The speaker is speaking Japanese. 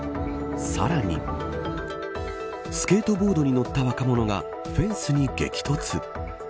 さらにスケートボードに乗った若者がフェンスに激突。